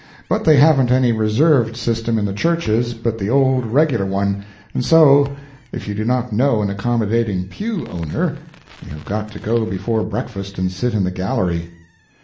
But they haven't any reserved system in the churches but the old regular one; and so, if you do not know an accommodating pew owner, you have got to go before breakfast and sit in the gallery.